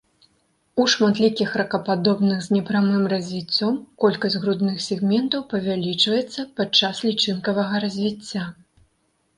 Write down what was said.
У шматлікіх ракападобных з непрамым развіццём колькасць грудных сегментаў павялічваецца падчас лічынкавага развіцця.